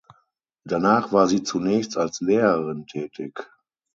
Danach war sie zunächst als Lehrerin tätig.